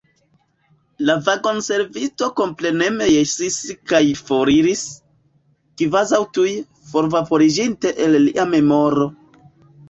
La vagonservisto kompreneme jesis kaj foriris, kvazaŭ tuj forvaporiĝinte el lia memoro.